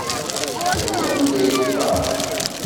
Ar wanda i yeffeɣ?